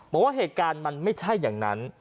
บอกว่าเหตุการณ์มันไม่ใช่อย่างนั้น